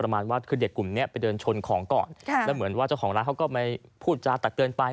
ประมาณว่าคือเด็กกลุ่มนี้ไปเดินชนของก่อนแล้วเหมือนว่าเจ้าของร้านเขาก็ไม่พูดจาตักเกินไป